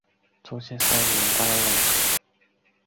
宗宪三名阿懒。